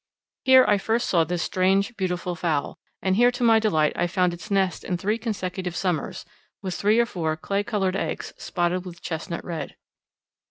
Here I first saw this strange beautiful fowl, and here to my delight I found its nest in three consecutive summers, with three or four clay coloured eggs spotted with chestnut red.